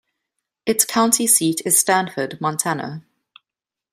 Its county seat is Stanford, Montana.